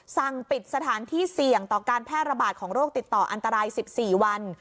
สั่งปิดสถานที่เสี่ยงต่อการแพร่ระบาดของโรคติดต่ออันตราย๑๔วัน